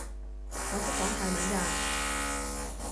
我識講泰文㗎